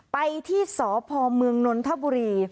ไปที่สพเมืองนนทบุรี